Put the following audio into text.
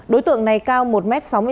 đối tượng này cao một m sáu mươi sáu